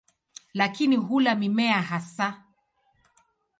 Lakini hula mimea hasa.